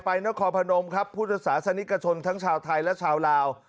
นครพนมครับพุทธศาสนิกชนทั้งชาวไทยและชาวลาว